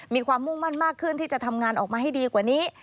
มีความมุ่งมั่นมากขึ้นที่จะทำงานออกมาให้ดีกว่านี้